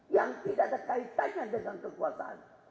yang tidak terkaitannya dengan kekuasaan